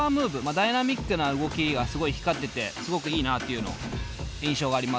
ダイナミックな動きがすごい光っててすごくいいなっていう印象があります。